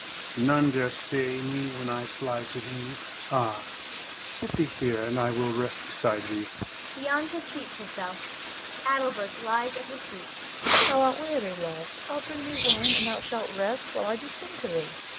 None dare stay me when I fly to thee. Ah, sit thee here, and I will rest beside thee. [Bianca seats herself; Adelbert lies at her feet.] Bianca. Thou art weary, love. I'll bring thee wine, and thou shalt rest while I do sing to thee.